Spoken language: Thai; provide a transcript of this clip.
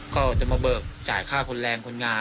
ก็จะมาเบิกจ่ายค่าคนแรงคนงาน